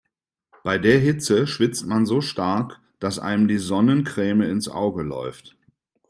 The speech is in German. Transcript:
Bei der Hitze schwitzt man so stark, dass einem die Sonnencreme ins Auge läuft.